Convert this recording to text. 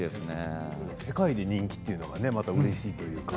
世界で人気というのがまたうれしいというか。